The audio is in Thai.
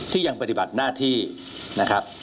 ยังปฏิบัติหน้าที่นะครับ